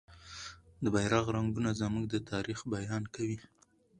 د بیرغ رنګونه زموږ د تاریخ بیان کوي.